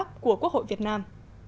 ủy ban tư pháp của quốc hội việt nam